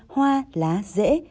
hoa lá rễ